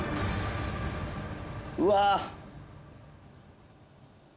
うわ！